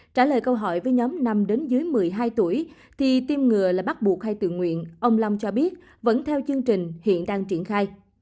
trả lời câu hỏi với nhóm năm đến dưới một mươi hai tuổi thì tiêm ngừa là bắt buộc hay tự nguyện ông long cho biết vẫn theo chương trình hiện đang triển khai